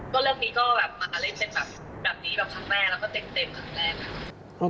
ก็เรื่องนี้ก็แบบมากันเล่นเป็นแบบนี้แบบครั้งแรกแล้วก็เต็มครั้งแรกค่ะ